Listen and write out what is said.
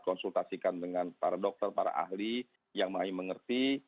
kita harus melaksanakan keadaan secara berkaitan dengan dokter dan ahli yang mengerti